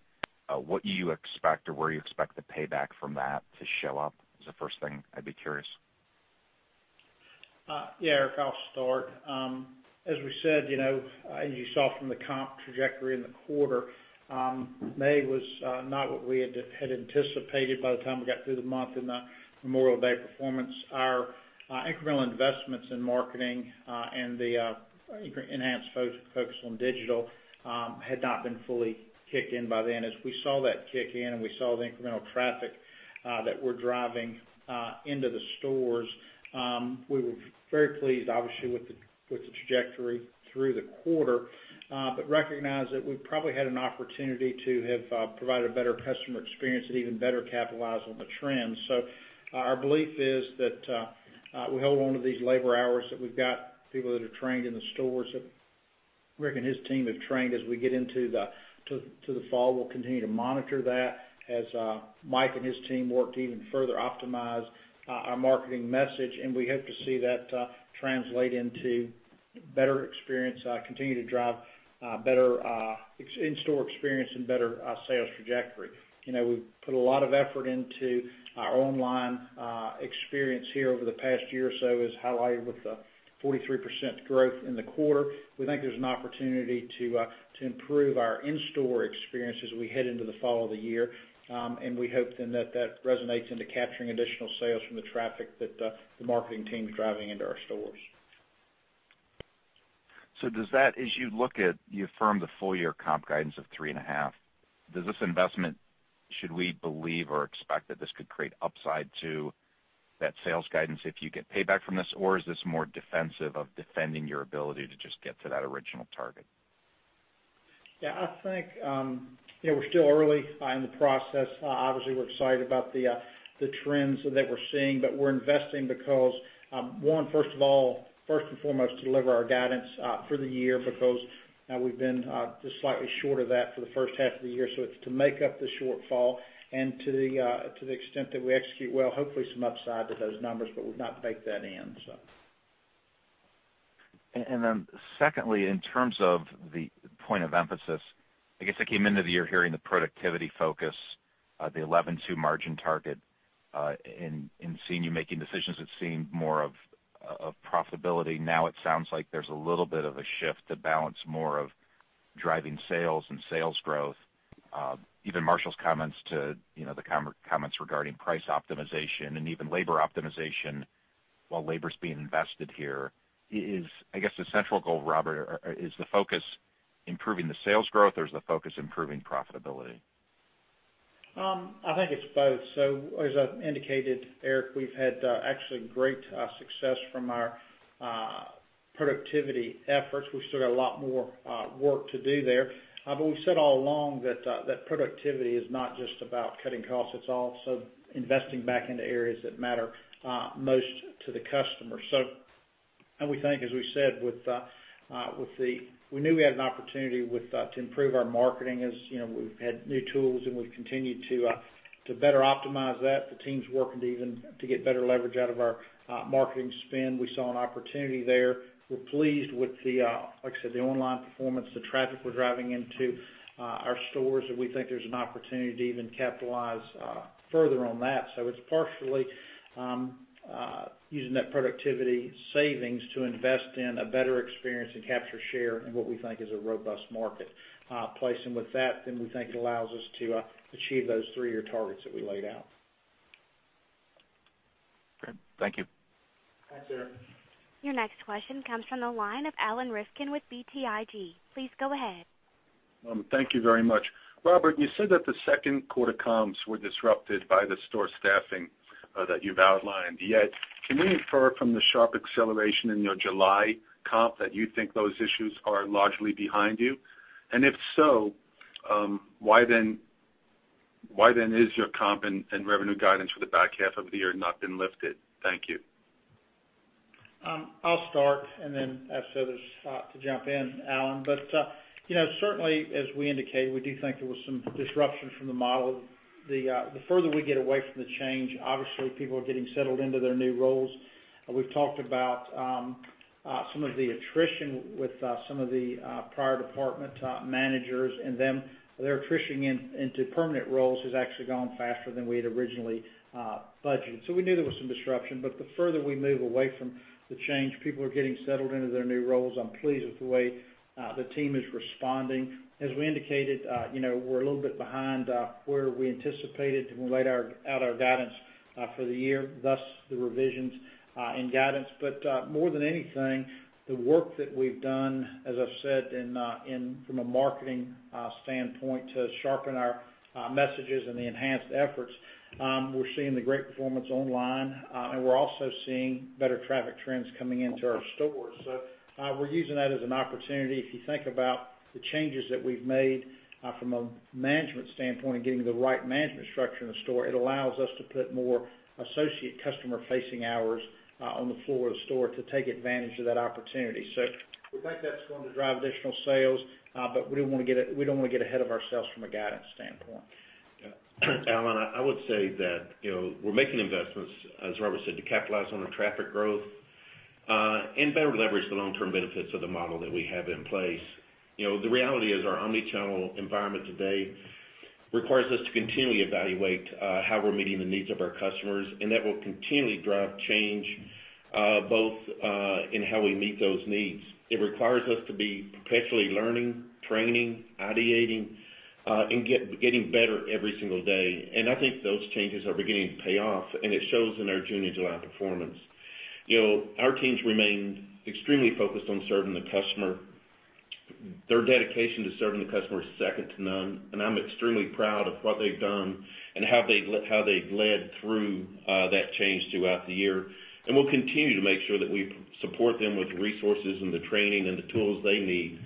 what you expect or where you expect the payback from that to show up, is the first thing I'd be curious. Yeah, Eric, I'll start. As we said, as you saw from the comp trajectory in the quarter, May was not what we had anticipated by the time we got through the month in the Memorial Day performance. Our incremental investments in marketing and the enhanced focus on digital had not been fully kicked in by then. As we saw that kick in and we saw the incremental traffic that we're driving into the stores, we were very pleased obviously with the trajectory through the quarter. Recognize that we probably had an opportunity to have provided a better customer experience and even better capitalize on the trends. Our belief is that we hold onto these labor hours that we've got, people that are trained in the stores, that Rick and his team have trained. As we get into the fall, we'll continue to monitor that as Mike and his team work to even further optimize our marketing message. We hope to see that translate into better experience, continue to drive better in-store experience and better sales trajectory. We've put a lot of effort into our online experience here over the past year or so, as highlighted with the 43% growth in the quarter. We think there's an opportunity to improve our in-store experience as we head into the fall of the year. We hope then that resonates into capturing additional sales from the traffic that the marketing team's driving into our stores. As you look at you affirmed the full-year comp guidance of three and a half. Does this investment, should we believe or expect that this could create upside to that sales guidance if you get payback from this? Or is this more defensive of defending your ability to just get to that original target? Yeah, I think we're still early in the process. Obviously, we're excited about the trends that we're seeing. We're investing because, one, first of all, first and foremost, to deliver our guidance for the year because we've been just slightly short of that for the first half of the year. It's to make up the shortfall and to the extent that we execute well, hopefully some upside to those numbers. We've not baked that in, so. Secondly, in terms of the point of emphasis, I guess I came into the year hearing the productivity focus, the 11 two margin target, and seeing you making decisions that seem more of profitability. Now it sounds like there's a little bit of a shift to balance more of driving sales and sales growth. Even Marshall's comments to the comments regarding price optimization and even labor optimization while labor's being invested here. I guess the central goal, Robert, is the focus improving the sales growth or is the focus improving profitability? I think it's both. As I indicated, Eric, we've had actually great success from our productivity efforts. We've still got a lot more work to do there. We've said all along that productivity is not just about cutting costs, it's also investing back into areas that matter most to the customer. We think, as we said, we knew we had an opportunity to improve our marketing. As you know, we've had new tools and we've continued to better optimize that. The team's working to get better leverage out of our marketing spend. We saw an opportunity there. We're pleased with the, like I said, the online performance, the traffic we're driving into our stores, and we think there's an opportunity to even capitalize further on that. It's partially using that productivity savings to invest in a better experience and capture share in what we think is a robust market. Placing with that, we think it allows us to achieve those three-year targets that we laid out. Great. Thank you. Thanks, Eric. Your next question comes from the line of Alan Rifkin with BTIG. Please go ahead. Thank you very much. Robert, you said that the second quarter comps were disrupted by the store staffing that you've outlined. Can we infer from the sharp acceleration in your July comp that you think those issues are largely behind you? If so why then is your comp and revenue guidance for the back half of the year not been lifted? Thank you. I'll start, and then ask others to jump in, Alan. Certainly, as we indicated, we do think there was some disruption from the model. The further we get away from the change, obviously people are getting settled into their new roles. We've talked about some of the attrition with some of the prior department top managers and their attrition into permanent roles has actually gone faster than we had originally budgeted. We knew there was some disruption. The further we move away from the change, people are getting settled into their new roles. I'm pleased with the way the team is responding. As we indicated, we're a little bit behind where we anticipated when we laid out our guidance for the year, thus the revisions in guidance. More than anything, the work that we've done, as I've said from a marketing standpoint, to sharpen our messages and the enhanced efforts, we're seeing the great performance online, and we're also seeing better traffic trends coming into our stores. We're using that as an opportunity. If you think about the changes that we've made from a management standpoint and getting the right management structure in the store, it allows us to put more associate customer-facing hours on the floor of the store to take advantage of that opportunity. We think that's going to drive additional sales, but we don't want to get ahead of ourselves from a guidance standpoint. Alan, I would say that we're making investments, as Robert said, to capitalize on our traffic growth, and better leverage the long-term benefits of the model that we have in place. The reality is our omni-channel environment today requires us to continually evaluate how we're meeting the needs of our customers, and that will continually drive change both in how we meet those needs. It requires us to be perpetually learning, training, ideating, and getting better every single day. I think those changes are beginning to pay off, and it shows in our June and July performance. Our teams remained extremely focused on serving the customer. Their dedication to serving the customer is second to none, and I'm extremely proud of what they've done and how they've led through that change throughout the year. We'll continue to make sure that we support them with the resources and the training and the tools they need,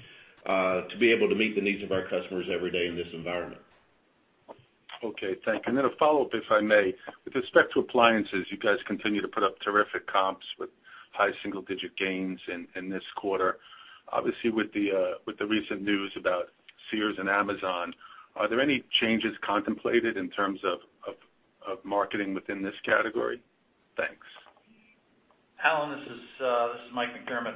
to be able to meet the needs of our customers every day in this environment. Okay. Thank you. A follow-up, if I may. With respect to appliances, you guys continue to put up terrific comps with high single-digit gains in this quarter. Obviously, with the recent news about Sears and Amazon, are there any changes contemplated in terms of marketing within this category? Thanks. Alan, this is Michael McDermott.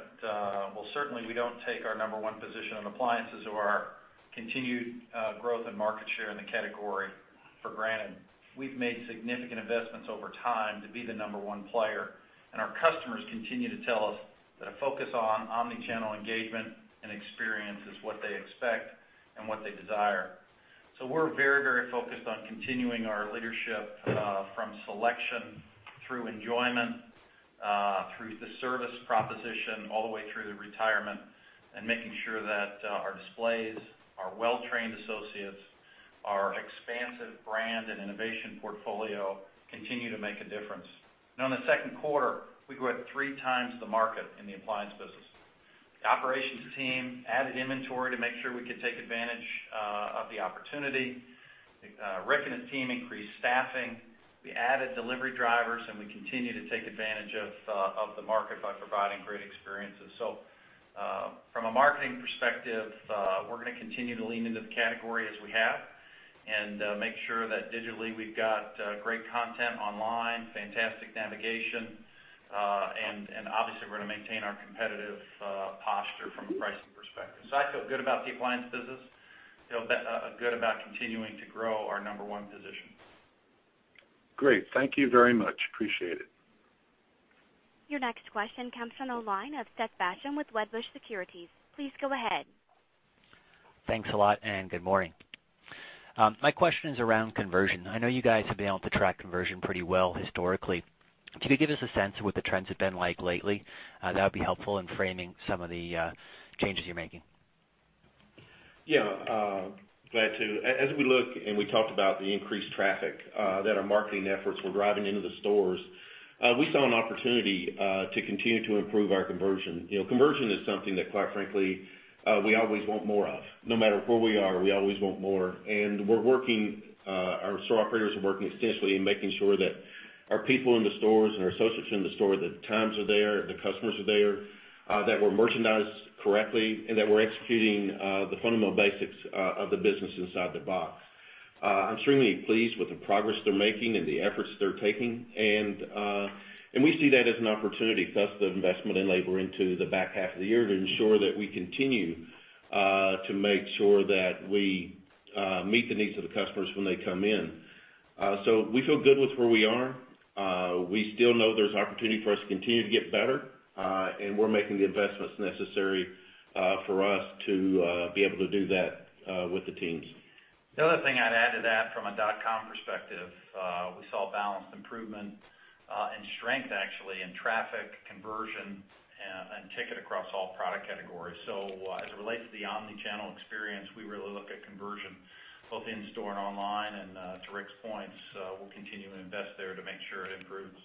Well, certainly we don't take our number one position on appliances or our continued growth and market share in the category for granted. We've made significant investments over time to be the number one player, and our customers continue to tell us that a focus on omni-channel engagement and experience is what they expect and what they desire. We're very focused on continuing our leadership from selection through enjoyment, through the service proposition, all the way through the retirement, and making sure that our displays, our well-trained associates, our expansive brand and innovation portfolio continue to make a difference. Now in the second quarter, we grew at three times the market in the appliance business. The operations team added inventory to make sure we could take advantage of the opportunity. Rick and his team increased staffing. We added delivery drivers, and we continue to take advantage of the market by providing great experiences. From a marketing perspective, we're going to continue to lean into the category as we have and make sure that digitally we've got great content online, fantastic navigation, and obviously we're going to maintain our competitive posture from a pricing perspective. I feel good about the appliance business, good about continuing to grow our number one position. Great. Thank you very much. Appreciate it. Your next question comes from the line of Seth Basham with Wedbush Securities. Please go ahead. Thanks a lot. Good morning. My question is around conversion. I know you guys have been able to track conversion pretty well historically. Could you give us a sense of what the trends have been like lately? That would be helpful in framing some of the changes you're making. Yeah. Glad to. As we look and we talked about the increased traffic that our marketing efforts were driving into the stores, we saw an opportunity to continue to improve our conversion. Conversion is something that, quite frankly, we always want more of. No matter where we are, we always want more. Our store operators are working extensively in making sure that our people in the stores and our associates in the store, the times are there, the customers are there, that we're merchandised correctly, and that we're executing the fundamental basics of the business inside the box. I'm extremely pleased with the progress they're making and the efforts they're taking. We see that as an opportunity. Thus the investment in labor into the back half of the year to ensure that we continue to make sure that we meet the needs of the customers when they come in. We feel good with where we are. We still know there's opportunity for us to continue to get better, we're making the investments necessary for us to be able to do that with the teams. The other thing I'd add to that from a lowes.com perspective, we saw balanced improvement and strength actually in traffic conversion and ticket across all product categories. As it relates to the omnichannel experience, we really look at conversion both in-store and online. To Rick's points, we'll continue to invest there to make sure it improves.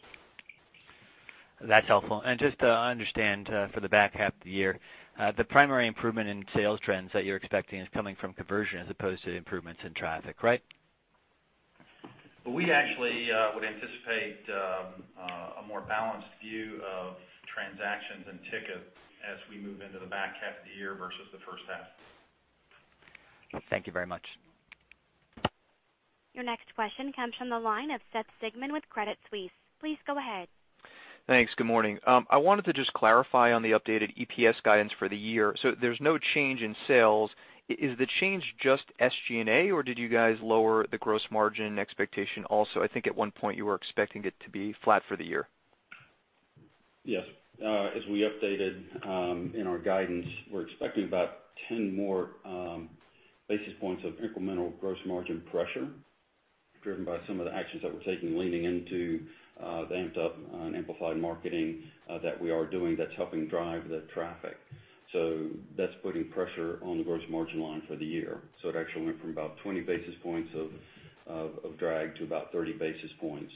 That's helpful. Just to understand for the back half of the year, the primary improvement in sales trends that you're expecting is coming from conversion as opposed to improvements in traffic, right? We actually would anticipate a more balanced view of transactions and tickets as we move into the back half of the year versus the first half. Thank you very much. Your next question comes from the line of Seth Sigman with Credit Suisse. Please go ahead. Thanks. Good morning. I wanted to just clarify on the updated EPS guidance for the year. There's no change in sales. Is the change just SG&A, or did you guys lower the gross margin expectation also? I think at one point you were expecting it to be flat for the year. Yes. As we updated in our guidance, we're expecting about 10 more basis points of incremental gross margin pressure driven by some of the actions that we're taking leaning into the amped up and amplified marketing that we are doing that's helping drive the traffic. That's putting pressure on the gross margin line for the year. It actually went from about 20 basis points of drag to about 30 basis points,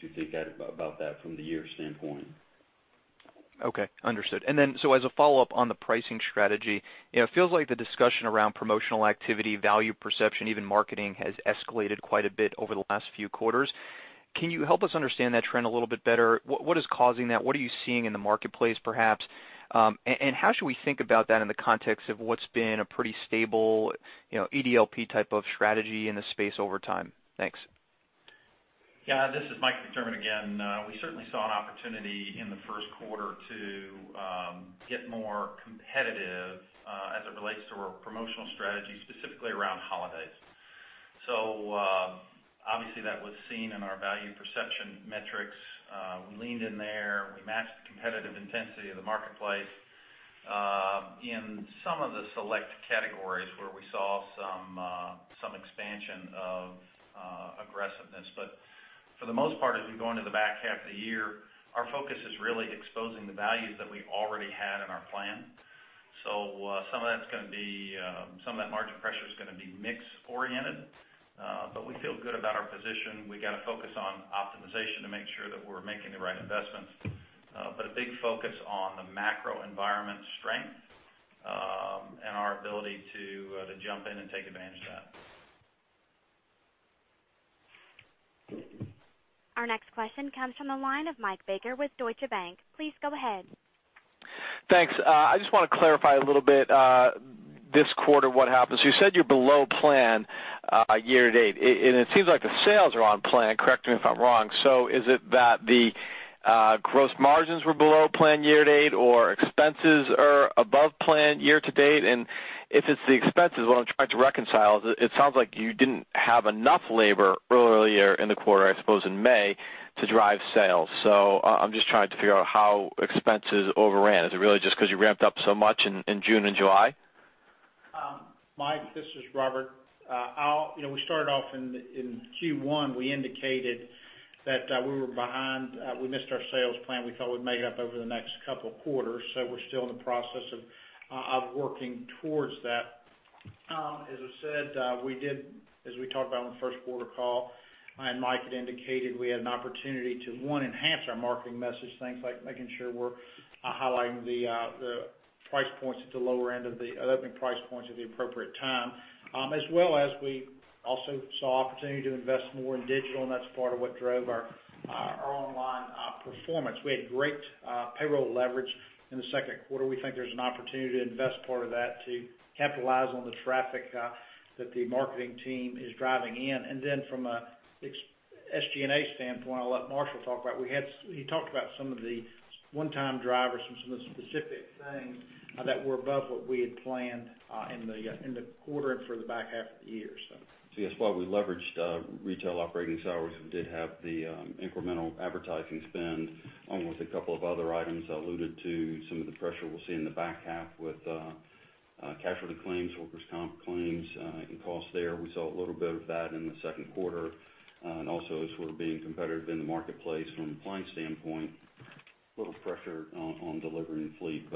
to think about that from the year standpoint. Okay, understood. As a follow-up on the pricing strategy, it feels like the discussion around promotional activity, value perception, even marketing, has escalated quite a bit over the last few quarters. Can you help us understand that trend a little bit better? What is causing that? What are you seeing in the marketplace, perhaps? How should we think about that in the context of what's been a pretty stable EDLP type of strategy in the space over time? Thanks. Yeah. This is Michael McDermott again. We certainly saw an opportunity in the first quarter to get more competitive as it relates to our promotional strategy, specifically around holidays. Obviously that was seen in our value perception metrics. We leaned in there, we matched the competitive intensity of the marketplace in some of the select categories where we saw some expansion of aggressiveness. For the most part, as we go into the back half of the year, our focus is really exposing the values that we already had in our plan. Some of that margin pressure is going to be mix-oriented, but we feel good about our position. We got to focus on optimization to make sure that we're making the right investments. A big focus on the macro environment strength, and our ability to jump in and take advantage of that. Our next question comes from the line of Michael Baker with Deutsche Bank. Please go ahead. Thanks. I just want to clarify a little bit, this quarter, what happened. You said you're below plan year to date, and it seems like the sales are on plan, correct me if I'm wrong. Is it that the gross margins were below plan year to date, or expenses are above plan year to date? If it's the expenses, what I'm trying to reconcile is it sounds like you didn't have enough labor earlier in the quarter, I suppose, in May, to drive sales. I'm just trying to figure out how expenses overran. Is it really just because you ramped up so much in June and July? Mike, this is Robert. We started off in Q1. We indicated that we were behind. We missed our sales plan. We thought we'd make it up over the next couple of quarters. We're still in the process of working towards that. As I said, as we talked about on the first quarter call, and Mike had indicated we had an opportunity to, one, enhance our marketing message, things like making sure we're highlighting the opening price points at the appropriate time. We also saw opportunity to invest more in digital, and that's part of what drove our online performance. We had great payroll leverage in the second quarter. We think there's an opportunity to invest part of that to capitalize on the traffic that the marketing team is driving in. Then from a SG&A standpoint, I'll let Marshall talk about. He talked about some of the one-time drivers from some of the specific things that were above what we had planned in the quarter and for the back half of the year, so. Yes, while we leveraged retail operating hours, we did have the incremental advertising spend, along with a couple of other items I alluded to, some of the pressure we'll see in the back half with casualty claims, workers' comp claims, and cost there. We saw a little bit of that in the second quarter. Also as we're being competitive in the marketplace from an appliance standpoint, a little pressure on delivering fleet.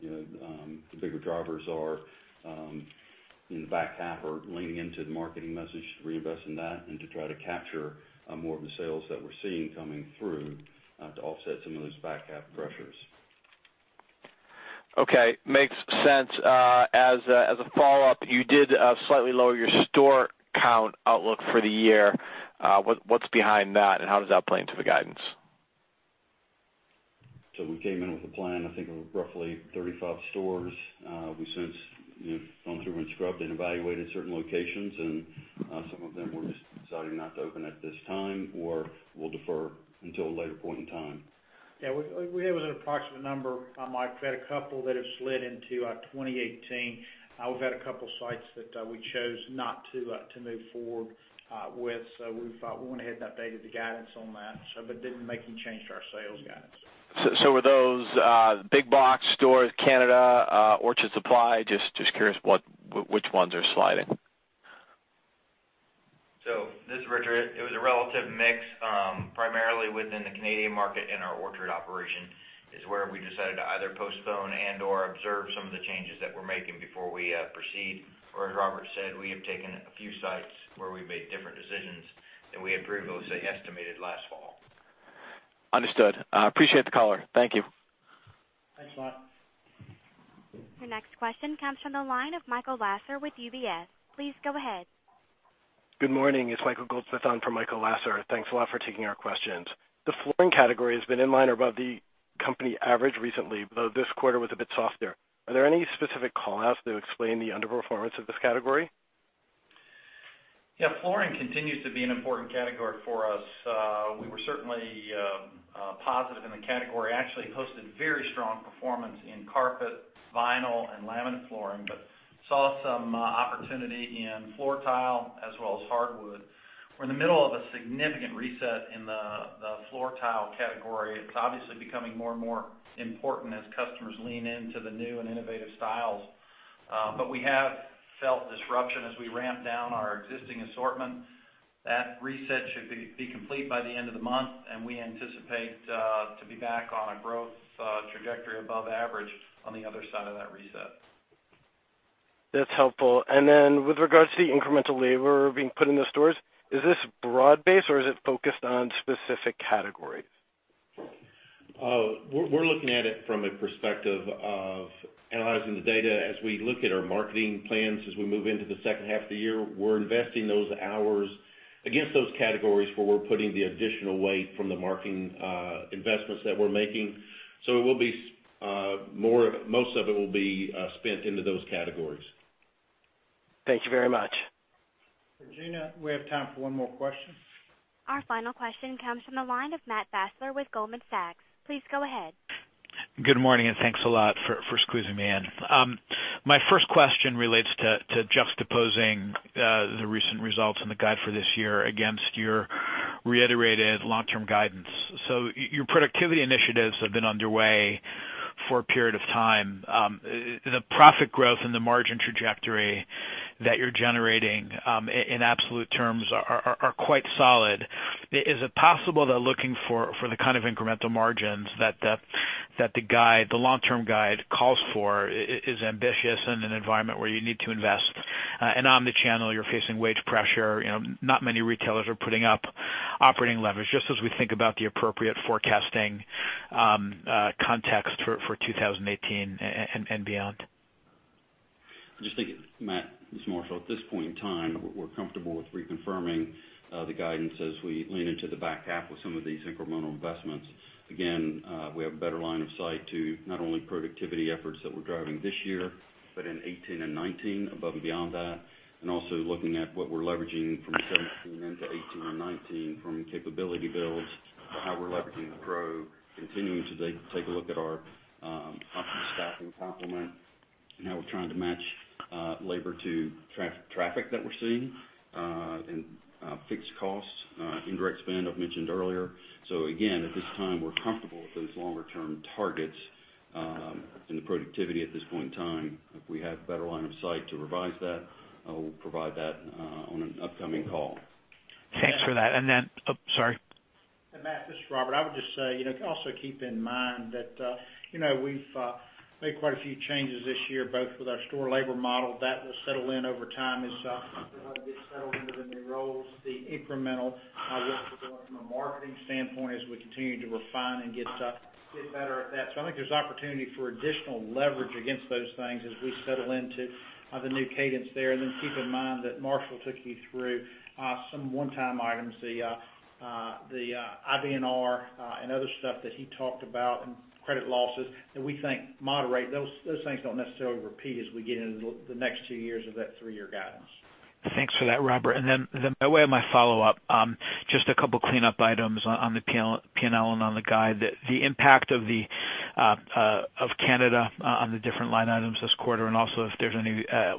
The bigger drivers are in the back half are leaning into the marketing message to reinvest in that and to try to capture more of the sales that we're seeing coming through to offset some of those back half pressures. Okay, makes sense. As a follow-up, you did slightly lower your store count outlook for the year. What's behind that and how does that play into the guidance? We came in with a plan, I think it was roughly 35 stores. We since have gone through and scrubbed and evaluated certain locations, and some of them we're just deciding not to open at this time or we'll defer until a later point in time. We have an approximate number, Mike. We've had a couple that have slid into our 2018. We've had a couple sites that we chose not to move forward with. We went ahead and updated the guidance on that but didn't make any change to our sales guidance. Were those big box stores, Canada, Orchard Supply? Just curious which ones are sliding. This is Richard. It was a relative mix, primarily within the Canadian market and our Orchard operation is where we decided to either postpone and/or observe some of the changes that we're making before we proceed. As Robert said, we have taken a few sites where we've made different decisions than we had previously estimated last fall. Understood. I appreciate the color. Thank you. Thanks a lot. Your next question comes from the line of Michael Lasser with UBS. Please go ahead. Good morning. It's Michael Goldsmith on for Michael Lasser. Thanks a lot for taking our questions. The flooring category has been in line above the company average recently, though this quarter was a bit softer. Are there any specific call-outs that would explain the underperformance of this category? Flooring continues to be an important category for us. We were certainly positive in the category. Actually hosted very strong performance in carpet, vinyl, and laminate flooring, but saw some opportunity in floor tile as well as hardwood. We're in the middle of a significant reset in the floor tile category. It's obviously becoming more and more important as customers lean into the new and innovative styles. We have felt disruption as we ramp down our existing assortment. That reset should be complete by the end of the month, and we anticipate to be back on a growth trajectory above average on the other side of that reset. That's helpful. Then with regards to the incremental labor being put in the stores, is this broad-based, or is it focused on specific categories? We're looking at it from a perspective of analyzing the data. As we look at our marketing plans, as we move into the second half of the year, we're investing those hours against those categories where we're putting the additional weight from the marketing investments that we're making. Most of it will be spent into those categories. Thank you very much. Regina, we have time for one more question. Our final question comes from the line of Matt Fassler with Goldman Sachs. Please go ahead. Good morning, thanks a lot for squeezing me in. My first question relates to juxtaposing the recent results and the guide for this year against your reiterated long-term guidance. Your productivity initiatives have been underway for a period of time. The profit growth and the margin trajectory that you're generating in absolute terms are quite solid. Is it possible, though, looking for the kind of incremental margins that the long-term guide calls for is ambitious in an environment where you need to invest and on the channel you're facing wage pressure. Not many retailers are putting up operating leverage, just as we think about the appropriate forecasting context for 2018 and beyond. I just think, Matt, this is Marshall. At this point in time, we're comfortable with reconfirming the guidance as we lean into the back half with some of these incremental investments. We have a better line of sight to not only productivity efforts that we're driving this year, but in 2018 and 2019 above and beyond that. Also looking at what we're leveraging from 2017 into 2018 and 2019 from capability builds to how we're leveraging the growth. Continuing to take a look at our optimal staffing complement and how we're trying to match labor to traffic that we're seeing and fixed costs. Indirect spend I've mentioned earlier. At this time, we're comfortable with those longer-term targets in the productivity at this point in time. If we have better line of sight to revise that, we'll provide that on an upcoming call. Thanks for that. oh, sorry. Matt, this is Robert. I would just say, also keep in mind that we've made quite a few changes this year, both with our store labor model. That will settle in over time as everybody gets settled into the new roles. The incremental work we're doing from a marketing standpoint as we continue to refine and get better at that. I think there's opportunity for additional leverage against those things as we settle into the new cadence there. Keep in mind that Marshall took you through some one-time items, the IBNR and other stuff that he talked about and credit losses that we think moderate. Those things don't necessarily repeat as we get into the next 2 years of that 3-year guidance. Thanks for that, Robert. By way of my follow-up, just a couple clean-up items on the P&L and on the guide. The impact of Canada on the different line items this quarter, and also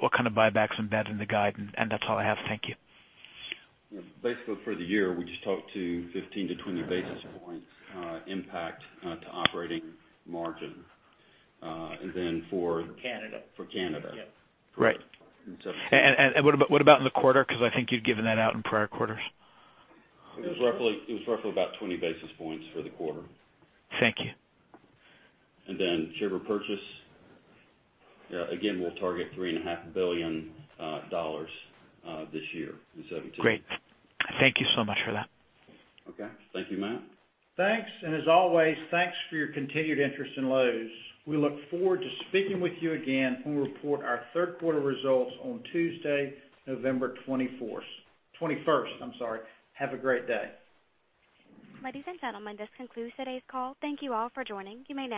what kind of buybacks embedded in the guide, and that's all I have. Thank you. Basically, for the year, we just talked to 15-20 basis points impact to operating margin. For- For Canada. For Canada. Right. What about in the quarter? Because I think you'd given that out in prior quarters. It was roughly about 20 basis points for the quarter. Thank you. Share repurchase, again, we'll target $3.5 billion this year in 2017. Great. Thank you so much for that. Okay. Thank you, Matt. Thanks. As always, thanks for your continued interest in Lowe's. We look forward to speaking with you again when we report our third quarter results on Tuesday, November 24th. 21st, I'm sorry. Have a great day. Ladies and gentlemen, this concludes today's call. Thank you all for joining. You may now disconnect.